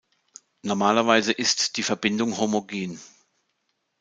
Normalerweise ist die Verbindung homogen.